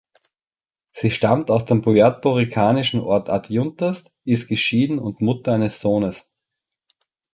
Sie stammt aus dem puertoricanischen Ort Adjuntas, ist geschieden und Mutter eines Sohnes.